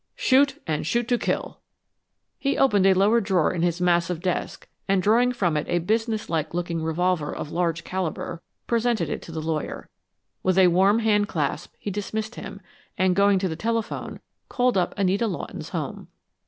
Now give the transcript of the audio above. Shoot, and shoot to kill!" He opened a lower drawer in his massive desk and, drawing from it a business like looking revolver of large caliber, presented it to the lawyer. With a warm hand clasp he dismissed him, and, going to the telephone, called up Anita Lawton's home.